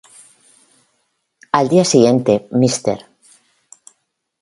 Al día siguiente, Mr.